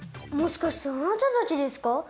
もしかしてあなたたちですか？